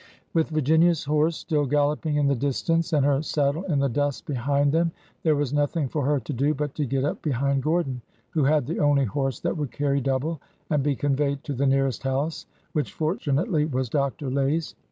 With Virginia's horse still galloping in the distance and her saddle in the dust behind them, there was nothing for her to do but to get up behind Gordon, who had the only horse that would carry double, and be conveyed to the nearest house, which, fortunately, was Dr. Lay's.